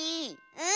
うん。